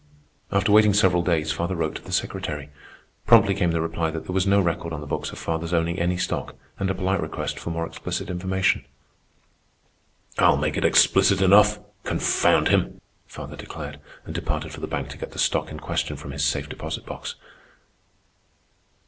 After waiting several days, father wrote to the secretary. Promptly came the reply that there was no record on the books of father's owning any stock, and a polite request for more explicit information. "I'll make it explicit enough, confound him," father declared, and departed for the bank to get the stock in question from his safe deposit box.